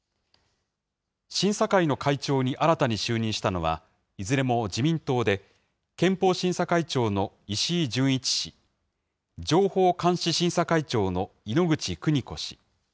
審査会の会長に新たに就任したのは、いずれも自民党で、憲法審査会長の石井準一氏、情報監視審査会長の猪口邦子氏。